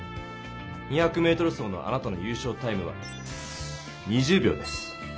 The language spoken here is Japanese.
２００ｍ走のあなたの優勝タイムは２０秒です。